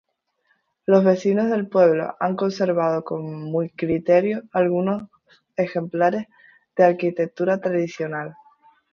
Los vecinos del pueblo han conservado con muy criterio algunos ejemplos de arquitectura tradicional.